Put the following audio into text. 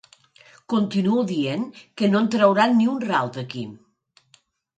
Continuo dient que no en trauran ni un ral, d'aquí.